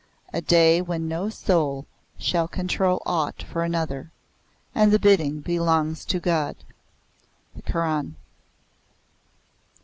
A day when no soul shall control aught for another. And the bidding belongs to God. THE KORAN.